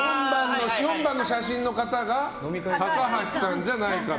４番の写真の方が高橋さんじゃないかと。